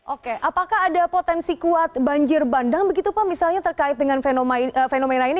oke apakah ada potensi kuat banjir bandang begitu pak misalnya terkait dengan fenomena ini